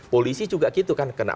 polisi juga gitu kan kena